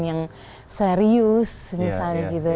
yang serius misalnya gitu